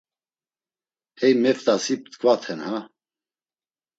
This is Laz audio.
Hey meft̆asi p̌t̆ǩvaten ha!